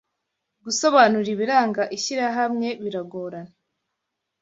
gusobanura ibiranga ishyirahamwe birgorana